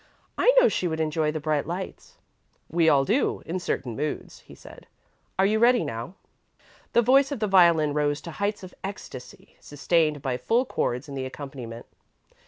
"I know she would enjoy the bright lights." "We all do, in certain moods," he said. "Are you ready now?" The voice of the violin rose to heights of ecstasy, sustained by full chords in the accompaniment.